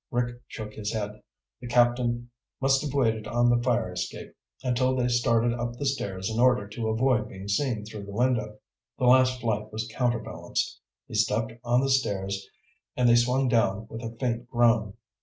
Rick shook his head. The captain must have waited on the fire escape until they started up the stairs in order to avoid being seen through the window. The last flight was counterbalanced. He stepped on the stairs and they swung down with a faint groan.